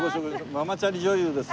ママチャリ女優です。